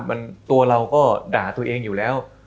มันตัวเราก็ด่าตัวเองอยู่แล้ว